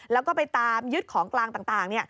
แล้วก็ไปตามยึดของกลางต่าง